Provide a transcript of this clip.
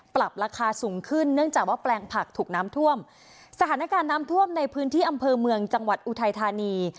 ปรับราคาสูงขึ้นเนื่องจากว่าแปลงผักถูกน้ำท่วมสถานการณ์น้ำท่วมในพื้นที่อำเภอเมืองจังหวัดอุทัยธานี